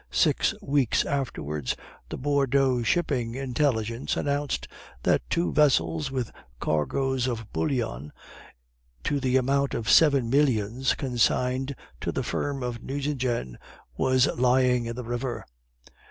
Six weeks afterwards, the Bordeaux shipping intelligence announced that two vessels with cargoes of bullion to the amount of seven millions, consigned to the firm of Nucingen, were lying in the river.